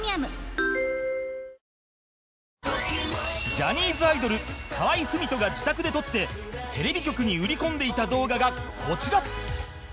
ジャニーズアイドル河合郁人が自宅で撮ってテレビ局に売り込んでいた動画がこちら